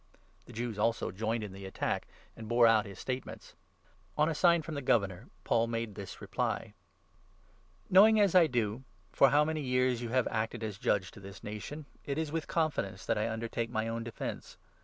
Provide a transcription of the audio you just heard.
The Jews also joined in the attack and bore out his state 9 ments. On a sign from the Governor, Paul made 10 this reply :" Knowing, as I do, for how many years you have acted as Judge to this nation, it is with confidence that I undertake my own defence.